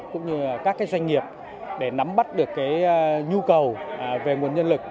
cũng như các doanh nghiệp để nắm bắt được nhu cầu về nguồn nhân lực